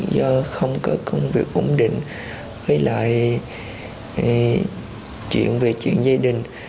do không có công việc ổn định với lại chuyện về chuyện gia đình